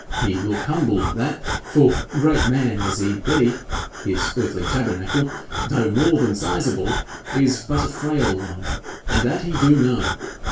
He look humble at that, for, great man as he be, his earthly tabernacle, though more than sizeable, is but a frail one, and that he do know.